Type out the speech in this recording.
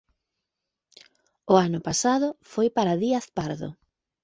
O ano pasado foi para Díaz Pardo